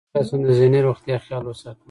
څنګه کولی شم د ذهني روغتیا خیال وساتم